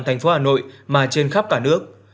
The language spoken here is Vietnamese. thành phố hà nội mà trên khắp cả nước